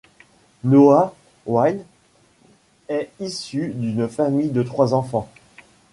Noah Wyle est issu d'une famille de trois enfants.